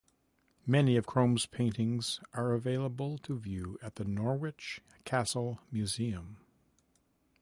Many of Crome's paintings are available to view at the Norwich Castle Museum.